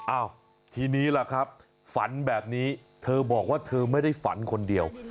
อ้าวทีนี้ล่ะครับฝันแบบนี้เธอบอกว่าเธอไม่ได้ฝันคนเดียว